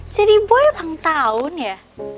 jadi boy ulang tahun ya